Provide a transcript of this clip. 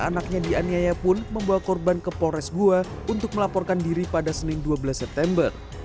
anaknya dianiaya pun membawa korban ke polres gua untuk melaporkan diri pada senin dua belas september